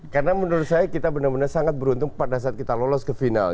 karena menurut saya kita benar benar sangat beruntung pada saat kita lolos ke final